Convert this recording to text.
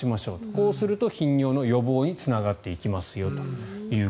こうすると頻尿の予防につながっていきますよと。